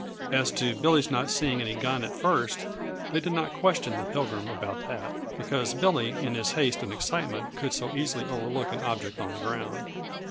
As to Billy's not seeing any gun at first they did not question the Pilgrim about that, because Billy in his haste and excitement could so easily overlook an object on the ground.